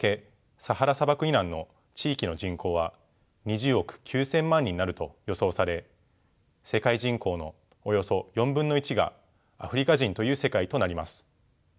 砂漠以南の地域の人口は２０億９，０００万になると予想され世界人口のおよそ４分の１がアフリカ人という世界となります。